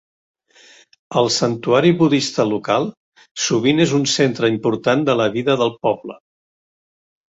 El santuari budista local sovint és un centre important de la vida del poble.